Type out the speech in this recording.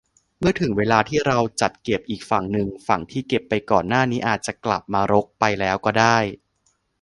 เมื่อถึงเวลาที่เราจัดเก็บอีกฝั่งหนึ่ง ฝั่งที่เก็บไปก่อนหน้านี้อาจจะกลับมารกไปแล้วก็ได้